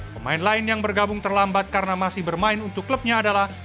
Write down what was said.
pemain lain yang bergabung terlambat karena masih bermain untuk klubnya adalah